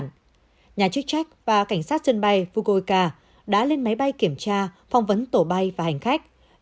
nhà chức trách và cảnh sát sân bay fukoka đã lên máy bay kiểm tra phỏng vấn tổ bay và hành khách